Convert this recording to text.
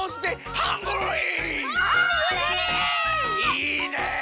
いいね！